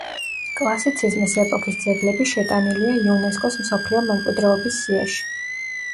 კლასიციზმის ეპოქის ძეგლები შეტანილია იუნესკოს მსოფლიო მემკვიდრეობის სიაში.